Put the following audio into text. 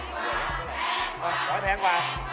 แพงกว่าแพงกว่า